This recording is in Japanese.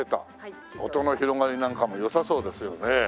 音の広がりなんかも良さそうですよね。